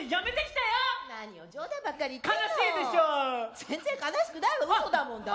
全然悲しくないわうそだもんだって。